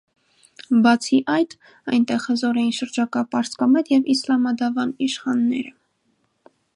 Բացի այդ, այնտեղ հզոր էին շրջակա պարսկամետ և իսլամադավան իշխանները։